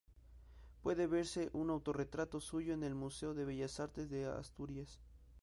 Puede verse un auto-retrato suyo en el Museo de Bellas Artes de Asturias.